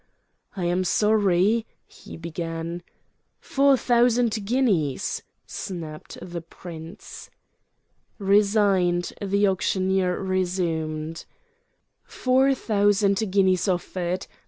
"I am sorry—" he began. "Four thousand guineas!" snapped the prince. Resigned, the auctioneer resumed: "Four thousand guineas offered.